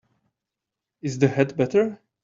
Is the head better?